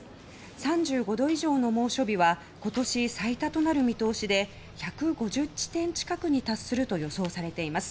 ３５度以上の猛暑日は今年最多となる見通しで１５０地点近くに達すると予想されています。